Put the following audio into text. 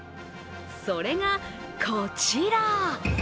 それがこちら。